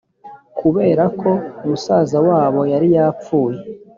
kubera ko musaza wabo yari yapfuye